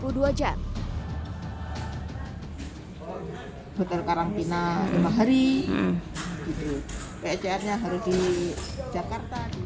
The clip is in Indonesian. botol karantina lima hari pcr nya harus di jakarta